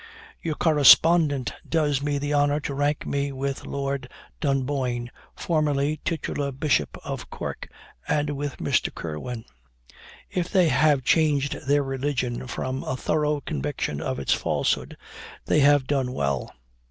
"Your correspondent does me the honor to rank me with Lord Dunboyne, formerly titular Bishop of Cork, and with Mr. Kirwan. If they have changed their religion from a thorough conviction of its falsehood, they have done well.